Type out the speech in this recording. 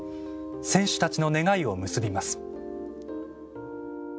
選手たちの願いを結びます。